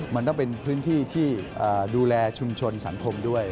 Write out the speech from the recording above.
มันต้องเป็นพื้นที่ที่ดูแลชุมชนสังคมด้วย